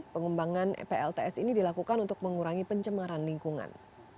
pengembangan plts ini dilakukan untuk mengurangi pencemaran lingkungan